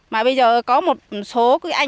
mà bây giờ có một số cái anh